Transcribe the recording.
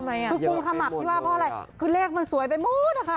คือกุมขมับที่ว่าเพราะอะไรคือเลขมันสวยไปหมดอะค่ะ